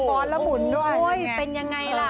โอ้ยเป็นยังไงล่ะ